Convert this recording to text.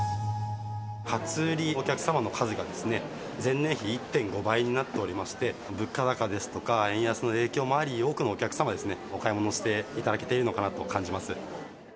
初売り、お客様の数が前年比１．５倍になっておりまして、物価高ですとか、円安の影響もあり、多くのお客様、お買い物をしていただけているのかなと感じます。